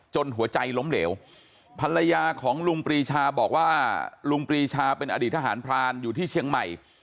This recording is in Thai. หัวใจล้มเหลวภรรยาของลุงปรีชาบอกว่าลุงปรีชาเป็นอดีตทหารพรานอยู่ที่เชียงใหม่